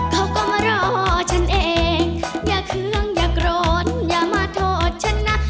เขาก็มารอฉันเองอย่าเคืองอย่าโกรธอย่ามาโทษฉันนะ